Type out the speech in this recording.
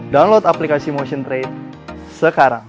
download aplikasi motion trade sekarang